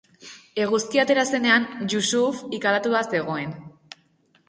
Eguzkia atera zenean, Yusuf ikaratua zegoen.